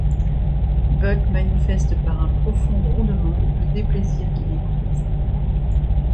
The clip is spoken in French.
Buck manifeste par un profond grondement le déplaisir qu’il éprouve.